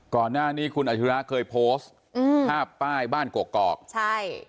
ก่อนหน้านี้คุณอาชิระเคยโพสต์อืมภาพป้ายบ้านกกอกใช่